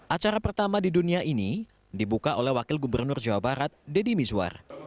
acara pertama di dunia ini dibuka oleh wakil gubernur jawa barat deddy mizwar